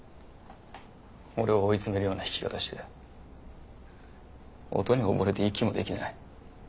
俺を追い詰めるような弾き方して音に溺れて息もできない。